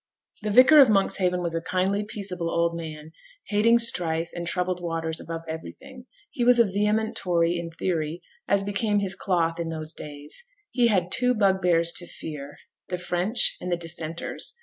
The vicar of Monkshaven was a kindly, peaceable old man, hating strife and troubled waters above everything. He was a vehement Tory in theory, as became his cloth in those days. He had two bugbears to fear the French and the Dissenters.